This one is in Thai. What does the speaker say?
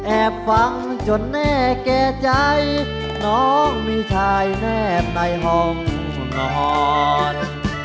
แอบฟังจนแน่แก่ใจน้องมีชายแนบในห้องสุนอน